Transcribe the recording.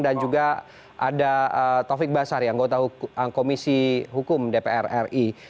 dan juga ada taufik basar yang komisi hukum dpr ri